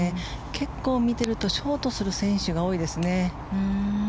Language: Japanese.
結構見ているとショートする選手が多いですね。